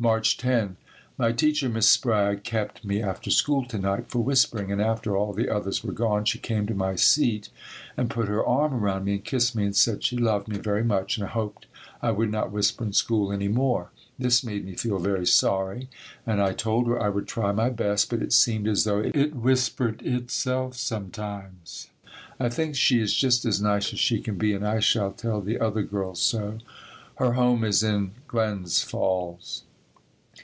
March 10. My teacher Miss Sprague kept me after school to night for whispering, and after all the others were gone she came to my seat and put her arm around me and kissed me and said she loved me very much and hoped I would not whisper in school any more. This made me feel very sorry and I told her I would try my best, but it seemed as though it whispered itself sometimes. I think she is just as nice as she can be and I shall tell the other girls so. Her home is in Glens Falls.